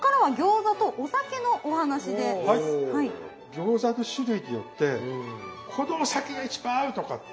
餃子の種類によってこのお酒が一番合うとかっていうね